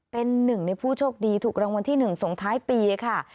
เป็นหนึ่งในผู้โชคดีถูกรางวัลที่๑ส่งท้ายปีค่ะ